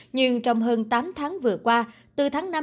nhưng trong hơn tám tháng vừa qua từ tháng năm năm hai nghìn hai mươi